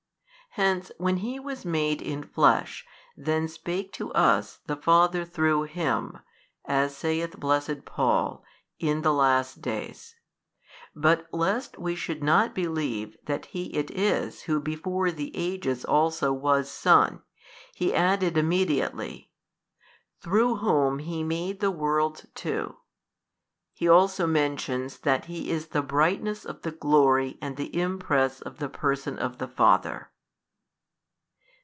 Hence when He was made in flesh, then spake to us the Father through Him, as saith blessed Paul, in the last days. But lest we should not believe that He it is Who before the ages also was Son, he added immediately, Through Whom He made the worlds too: he also mentions that He is the brightness of the glory and the Impress of the Person of the Father.